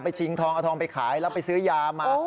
ชิงทองเอาทองไปขายแล้วไปซื้อยามา